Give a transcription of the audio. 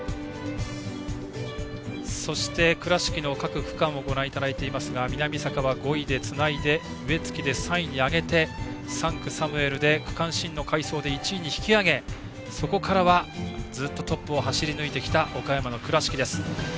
そして、倉敷の各区間ですが南坂は５位でつないで植月で３位に上げて３区、サムエルが区間新の快走で１位に引き上げ、そこからはずっとトップを走り抜いてきた岡山の倉敷です。